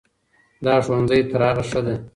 دا ښوونځی تر هغه ښه ده.